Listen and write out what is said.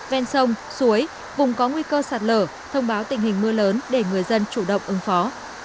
ven sông suối vùng có nguy cơ sạt lở thông báo tình hình mưa lớn để người dân chủ động ứng phó